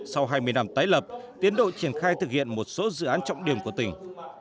sau hai mươi năm tái lập tiến độ triển khai thực hiện một số dự án trọng điểm của tỉnh